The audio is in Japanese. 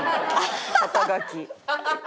肩書。